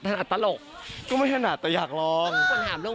ไหนว่าไม่ถนัดนั่งสุข